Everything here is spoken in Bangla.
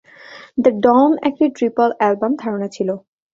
দ্য ডন একটি ট্রিপল-অ্যালবাম ধারণা ছিল।